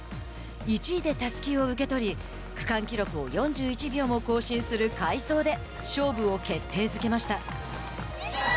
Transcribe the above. １位でたすきを受け取り区間記録を４１秒も更新する快走で勝負を決定づけました。